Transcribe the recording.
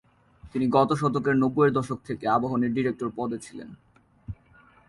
তিনি গত শতকের নব্বই এর দশক থেকে আবাহনীর ডিরেক্টর পদে ছিলেন।